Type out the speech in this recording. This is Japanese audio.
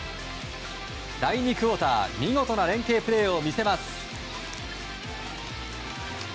第２クオーター見事な連係プレーを見せます。